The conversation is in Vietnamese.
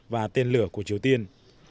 và tên lửa của triều tiên